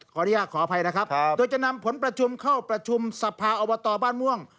ขออนุญาตขออภัยนะครับโดยจะนำผลประชุมเข้าประชุมสภาอบตบ้านม่วง